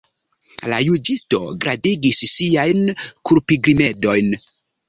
La juĝisto gradigis siajn kulpigrimedojn.